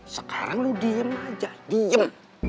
sekarang lu diem aja diem